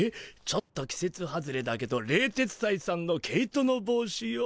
「ちょっときせつ外れだけど冷徹斎さんの毛糸の帽子よ」？